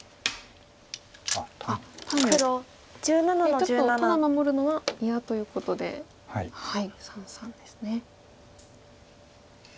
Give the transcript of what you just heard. ちょっとただ守るのは嫌ということで三々ですね。